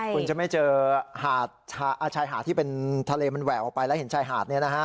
คุณจะไม่เจอหาดชายหาดที่เป็นทะเลมันแหววออกไปแล้วเห็นชายหาด